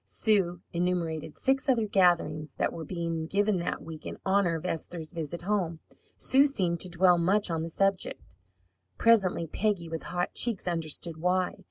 Sue enumerated six other gatherings that were being given that week in honour of Esther's visit home. Sue seemed to dwell much on the subject. Presently Peggy, with hot cheeks, understood why.